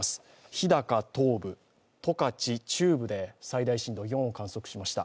日高東部、十勝中部で最大震度４を観測しました。